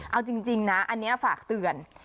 เอาจริงนะอันนี้ฝากเตือน